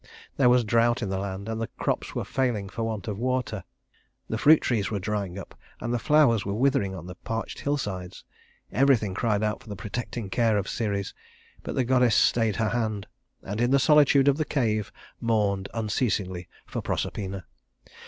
There was drought in the land, and the crops were failing for want of water. The fruit trees were drying up, and the flowers were withering on the parched hillsides. Everything cried out for the protecting care of Ceres; but the goddess stayed her hand, and in the solitude of the cave mourned unceasingly for Proserpina.